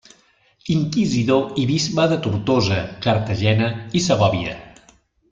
Inquisidor i bisbe de Tortosa, Cartagena i Segòvia.